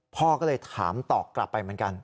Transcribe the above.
พ่อก็เลยถามตอบกลับไปเหมือนกัน